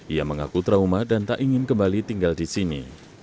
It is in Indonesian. ia mengaku trauma dan tak ingin kembali tinggal di sini